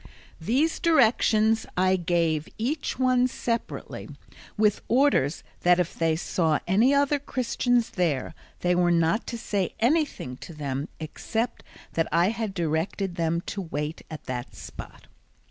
These directions I gave each one separately, with orders that if they saw any other Christians there they were not to say anything to them except that I had directed them to wait at that spot.